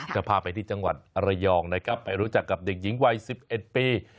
จะพาไปที่จังหวัดระยองนะครับไปรู้จักกับเด็กหญิงวัย๑๑ปี